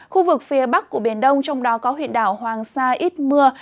khu vực phía bắc của biển đông trong đó có huyện đảo hoàng sa ít mưa